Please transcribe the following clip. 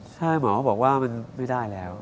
ใช่หมอเขาบอกว่ามันไม่ได้แล้ว